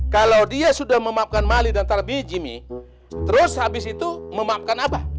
kalau dia sudah memapkan mali dan tarbiji mi terus habis itu memapkan abah